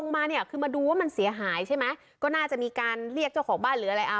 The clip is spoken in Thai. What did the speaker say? มันเสียหายใช่ไหมก็น่าจะมีการเรียกเจ้าของบ้านหรืออะไรอ่ะ